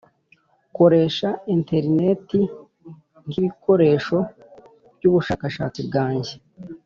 [nkoresha interineti nkibikoresho byubushakashatsi bwanjye.